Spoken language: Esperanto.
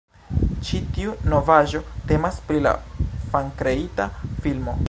Ĉi tiu novaĵo temas pri la fankreita filmo